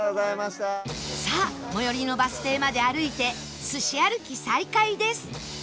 さあ最寄りのバス停まで歩いてすし歩き再開です